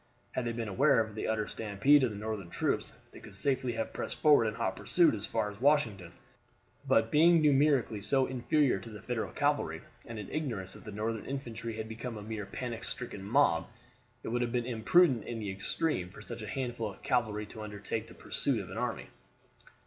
Had they been aware of the utter stampede of the Northern troops, they could safely have pressed forward in hot pursuit as far as Washington, but being numerically so inferior to the Federal cavalry, and in ignorance that the Northern infantry had become a mere panic stricken mob, it would have been imprudent in the extreme for such a handful of cavalry to undertake the pursuit of an army.